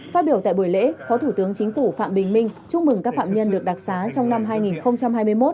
phát biểu tại buổi lễ phó thủ tướng chính phủ phạm bình minh chúc mừng các phạm nhân được đặc xá trong năm hai nghìn hai mươi một